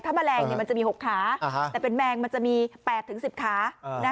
แมลงมันจะมี๖ขาแต่เป็นแมงมันจะมี๘๑๐ขา